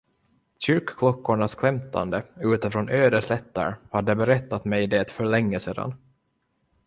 Kyrkklockornas klämtande ute från öde slätter hade berättat mig det för länge sedan.